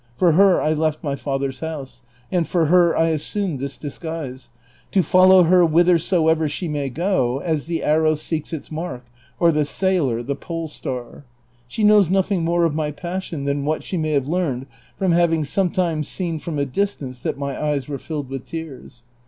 For her I left my father's house, and for her I assumed this disguise, to fol low her whithersoever she may go, as the arrow seeks its mark or the sailor the pole star. She knows nothing more of my passion than what she may have learned from having some times seen from a distance that my eyes were filled with tears.